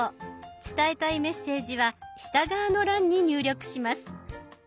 伝えたいメッセージは下側の欄に入力します。